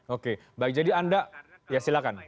oke baik jadi anda ya silakan